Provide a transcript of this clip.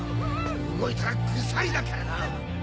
動いたらグサリだからな！